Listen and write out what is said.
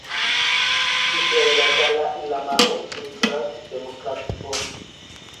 Tiel la dalai-lamao nutras demokration.